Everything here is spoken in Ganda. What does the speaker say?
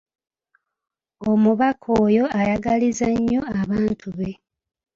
Omubaka oyo ayagaliza nnyo abantu be.